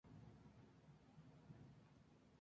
La votación se realiza por mayoría simple.